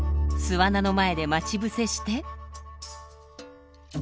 巣穴の前で待ち伏せして。